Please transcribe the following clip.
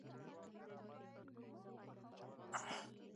پاک زړه د خدای درشل ته نږدې وي.